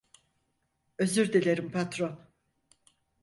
Özür dilerim patron.